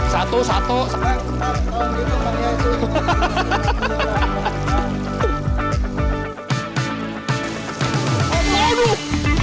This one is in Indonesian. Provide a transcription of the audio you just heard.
harus harusnya minum banyak banget